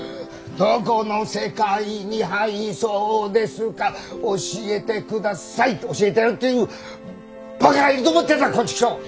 どこの世界にはいそうですか教えてくださいと教えてやるっていうバカがいると思ってんだコンチキショウ！